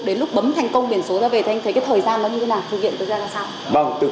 đến lúc bấm thành công biệt số ra về